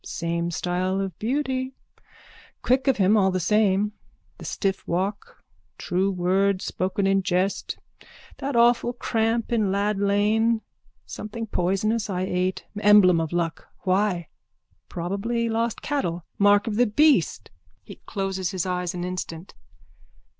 Same style of beauty. Quick of him all the same. The stiff walk. True word spoken in jest. That awful cramp in Lad lane. Something poisonous I ate. Emblem of luck. Why? Probably lost cattle. Mark of the beast. _(He closes his eyes an instant.)